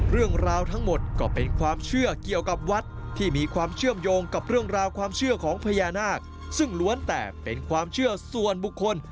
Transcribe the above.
เรื่องราวทั้งหมดก็เป็นความเชื่อเกี่ยวกับวัดที่มีความเชื่อมโยงกับเรื่องราวความเชื่อของพญานาคซึ่งล้วนแต่เป็นความเชื่อส่วนบุคคล